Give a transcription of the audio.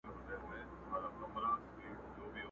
د ژړي مازیګر منګیه دړي وړي سې چي پروت یې.!